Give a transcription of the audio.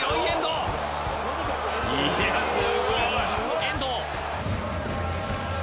遠藤。